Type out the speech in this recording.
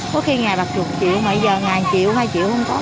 có khi ngày bạc một mươi triệu mà bây giờ ngày một triệu hai triệu không có